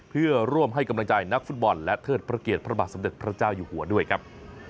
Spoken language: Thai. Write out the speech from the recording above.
เพื่อร่วมให้กำลังใจนักฟุตบอลและเทิดพระเกียรติพระบาทสมเด็จพระเจ้าอยู่หัวด้วยครับ